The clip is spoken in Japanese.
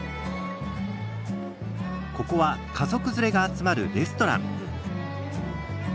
ここは家族連れが集まるレストラン。